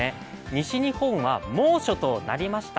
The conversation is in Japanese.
西日本は猛暑となりました。